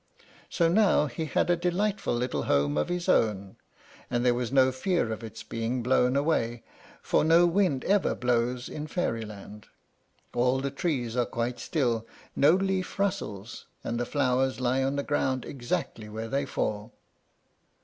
So now he had a delightful little home of his own; and there was no fear of its being blown away, for no wind ever blows in Fairyland. All the trees are quite still, no leaf rustles, and the flowers lie on the ground exactly where they fall.